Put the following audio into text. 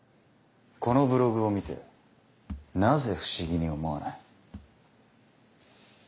このブログを見てなぜ不思議に思わない？